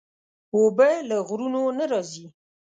اوبه له غرونو نه راځي.